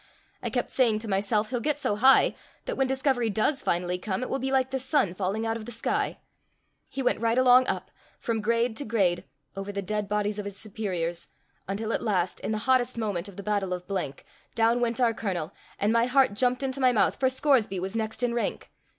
I kept saying to myself, he'll get so high, that when discovery does finally come, it will be like the sun falling out of the sky. He went right along up, from grade to grade, over the dead bodies of his superiors, until at last, in the hottest moment of the battle of down went our colonel, and my heart jumped into my mouth, for Scoresby was next in rank!